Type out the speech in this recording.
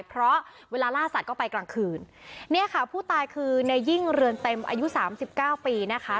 เพราะเวลาล่าสัตว์ก็ไปกลางคืนเนี่ยค่ะผู้ตายคือในยิ่งเรือนเต็มอายุสามสิบเก้าปีนะคะ